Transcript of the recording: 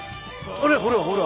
あれほらほら！